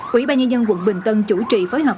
quỹ ba nhân dân quận bình tân chủ trì phối hợp